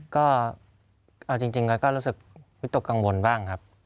ก็เอาจริงแล้วก็รู้สึกวิตกกังวลบ้างครับ